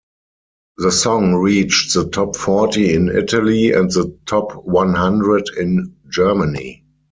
The song reached the top forty in Italy and the top one-hundred in Germany.